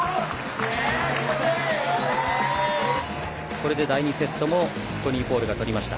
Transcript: これで第２セットもトミー・ポールが取りました。